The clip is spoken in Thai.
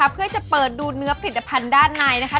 เพื่อจะเปิดดูเนื้อผลิตภัณฑ์ด้านในนะคะ